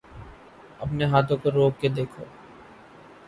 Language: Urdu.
اپنے ہاتھوں کو روک کے رکھو